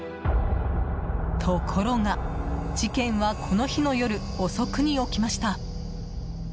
ところが、事件はこの日の夜遅くに起きました。